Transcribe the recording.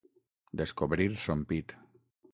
Descobrir son pit.